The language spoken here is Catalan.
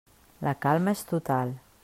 La calma és total.